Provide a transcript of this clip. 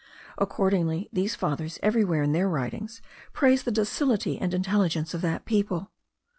Accordingly these fathers everywhere in their writings praise the docility and intelligence of that people.